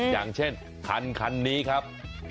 อย่างเช่นคันคันนี้ครับ